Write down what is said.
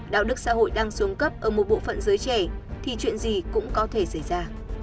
đạo đức xã hội đang xuống cấp ở một bộ phận giới trẻ thì chuyện gì cũng có thể xảy ra